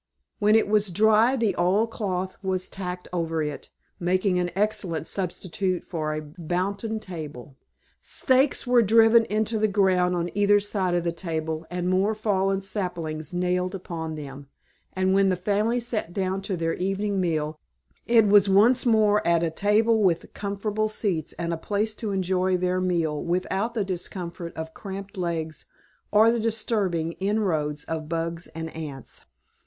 When it was dry the oil cloth was tacked over it, making an excellent substitute for a "boughten" table. Stakes were driven into the ground on either side of the table and more fallen saplings nailed upon them, and when the family sat down to their evening meal it was once more at a table with comfortable seats and a place to enjoy their meal without the discomfort of cramped legs or the disturbing inroads of bugs and ants.